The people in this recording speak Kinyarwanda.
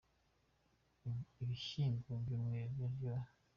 Ibishimbo byumweru biraryoha.